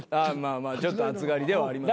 ちょっと暑がりではありますけどね。